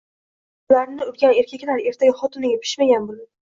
Masalan, "ayollarni urgan erkaklar", ertaga xotiniga pishmagan bo'ladi.